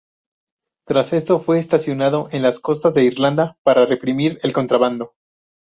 Tras esto, fue estacionado en las costas de Irlanda para reprimir el contrabando.